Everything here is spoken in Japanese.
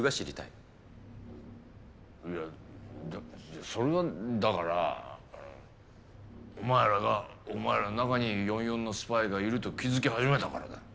いやそれはだからお前らがお前らの中に４４のスパイがいると気づき始めたからだ。